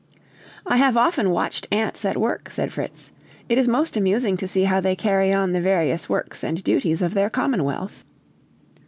"I have often watched ants at work," said Fritz; "it is most amusing to see how they carry on the various works and duties of their commonwealth."